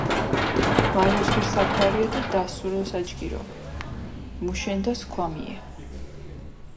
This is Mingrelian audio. გვალო ჯგირ საქვარიე დო დასურო საჯგირო, მუშენ-და სქვამიე.